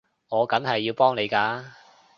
我梗係要幫你㗎